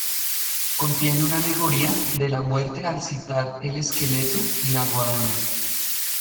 Contiene una alegoría de la muerte al citar el esqueleto y la guadaña.